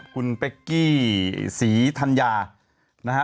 คุณเป๊กกี้ศรีธัญญานะฮะ